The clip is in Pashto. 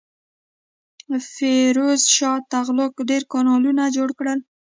فیروز شاه تغلق ډیر کانالونه جوړ کړل.